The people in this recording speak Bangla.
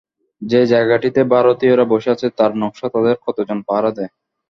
যে জায়গাটিতে ভারতীয়রা বসে আছে তার নকশা তাদের কতজন পাহারা দেয়?